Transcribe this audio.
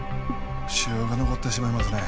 腫瘍が残ってしまいますね。